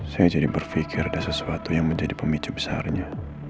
saya jadi berpikir ada sesuatu yang menjadi pemicu besarnya